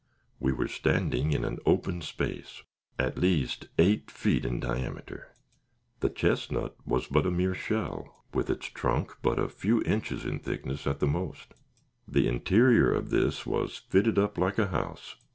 We were standing in an open space, at least eight feet in diameter. The chestnut was but a mere shell, with its trunk but a few inches in thickness at the most. The interior of this was fitted up like a house.